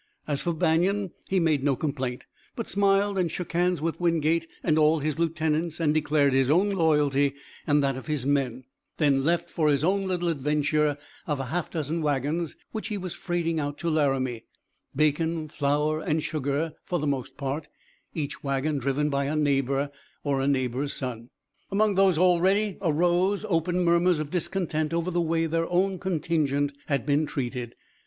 As for Banion, he made no complaint, but smiled and shook hands with Wingate and all his lieutenants and declared his own loyalty and that of his men; then left for his own little adventure of a half dozen wagons which he was freighting out to Laramie bacon, flour and sugar, for the most part; each wagon driven by a neighbor or a neighbor's son. Among these already arose open murmurs of discontent over the way their own contingent had been treated.